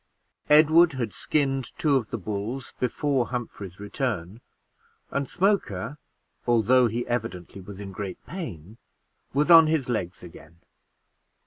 Edward had skinned two of the bulls before Humphrey's return; and Smoker, although he evidently was in great pain, was on his legs again.